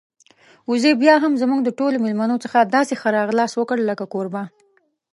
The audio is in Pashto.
وزې بيا هم زموږ د ټولو میلمنو څخه داسې ښه راغلاست وکړ لکه کوربه.